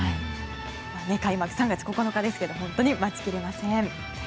開幕は３月９日ですけど本当に待ちきれません。